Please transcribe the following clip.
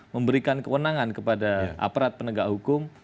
memberikan kewenangan kepada aparat penegak hukum